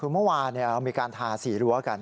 คือเมื่อวานเราจะทาสีหรือซ่ะ